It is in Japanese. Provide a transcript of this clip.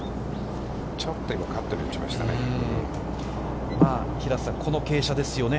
ちょっと、今、カットで打ちましたね。